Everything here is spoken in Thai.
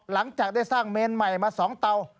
หลังจากได้สร้างเมนใหม่มา๒เตา